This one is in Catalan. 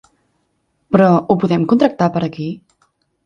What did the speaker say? Però ho podem contractar per aquí?